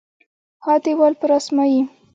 ها دیوال پر اسمایي